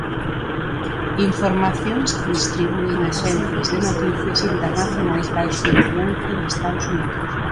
Informacións que distribúen axencias de noticias internacionais, baixo a influencia de Estados Unidos.